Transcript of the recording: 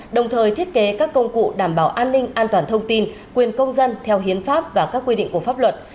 đồng thời thiết kế các công cụ đảm bảo an ninh an toàn thông tin quyền công dân theo hiến pháp và các quy định của pháp luật